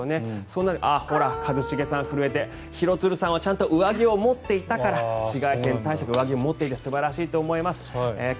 そうなると、一茂さん震えて廣津留さんはちゃんと上着を持っていたから紫外線対策上着を持っていて素晴らしいと思います。